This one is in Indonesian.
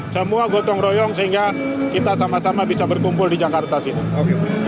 semua gotong royong sehingga kita sama sama bisa berkumpul di jakarta sini